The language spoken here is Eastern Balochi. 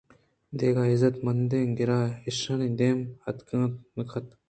دگہ عزّت مندیں گراکے ایشانی دیم ءَ اتک نہ کنت